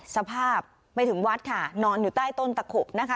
สภาพไม่ถึงวัดค่ะนอนอยู่ใต้ต้นตะขบนะคะ